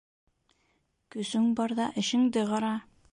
Көсөң барҙа эшеңде ҡара